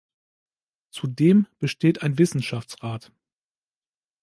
Zudem besteht ein Wissenschaftsrat.